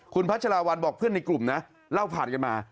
คุณพัชราวัลบอกเพื่อนในกลุ่มนะเล่าผ่านกันมา